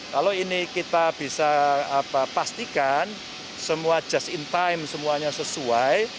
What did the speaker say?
kalau ini kita bisa pastikan semua just in time semuanya sesuai